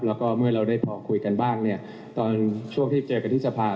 แล้วก็เมื่อเราได้พอคุยกันบ้างเนี่ยตอนช่วงที่เจอกันที่สภา